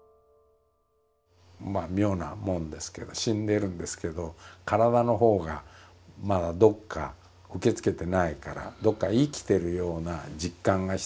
まあ妙なもんですけど死んでるんですけど体のほうがまだどっか受け付けてないからどっか生きているような実感がしているわけですね。